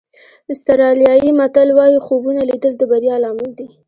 آسټرالیایي متل وایي خوبونه لیدل د بریا لامل دي.